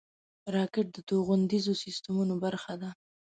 راکټ د توغندیزو سیسټمونو برخه ده